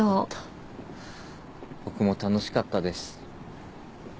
僕も楽しかったです。